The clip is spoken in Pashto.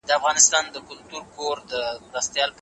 دوی به ګرځېدلي وای .